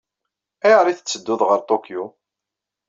Ayɣer ay tettedduḍ ɣer Tokyo?